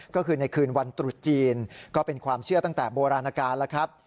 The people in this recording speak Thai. ก็คือในคืนวันตรุษจีนก็เป็นความเชื่อตั้งแต่โบราณการแล้วครับ